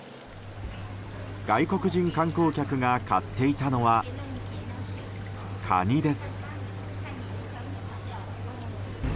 外国人観光客が買っていたのはカニです。